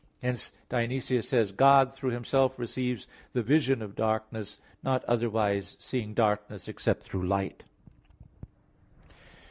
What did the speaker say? Hence Dionysius says (Div. Nom. vii): "God through Himself receives the vision of darkness, not otherwise seeing darkness except through light."